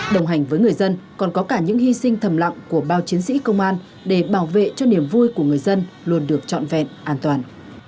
đồng hành với người dân còn có cả những hy sinh thầm lặng của bao chiến sĩ công an để bảo vệ cho niềm vui của người dân luôn được trọn vẹn an toàn